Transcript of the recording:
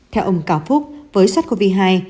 theo ông cao phúc với sách covid một mươi chín